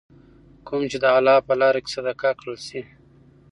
کوم چې د الله په لاره کي صدقه کړل شي .